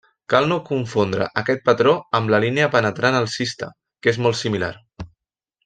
Cal no confondre aquest patró amb la Línia penetrant alcista, que és molt similar.